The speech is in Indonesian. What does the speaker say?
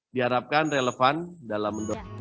diharapkan relevan dalam